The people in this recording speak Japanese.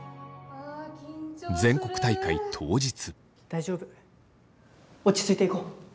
大丈夫落ち着いていこう。